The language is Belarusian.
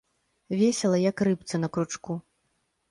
Весела як рыбцы на кручку.